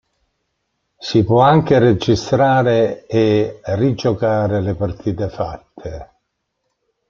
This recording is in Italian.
Si può anche registrare e rigiocare le partite fatte.